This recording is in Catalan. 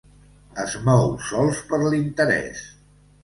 Es mou sols per l'interès.